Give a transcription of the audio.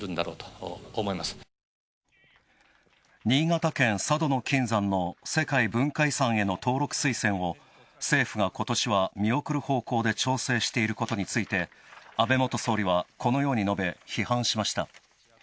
新潟県佐渡の金山の世界文化遺産への登録推薦を政府がことしは見送る方向で調整していることについて、安倍元総理はこのように述べ、批判しました。